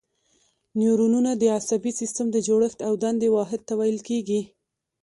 نیورونونه د عصبي سیستم د جوړښت او دندې واحد ته ویل کېږي.